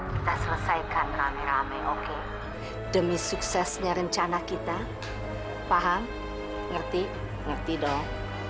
kita selesaikan rame rame oke demi suksesnya rencana kita paham ngerti ngerti dong